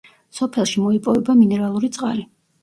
სოფელში მოიპოვება მინერალური წყალი.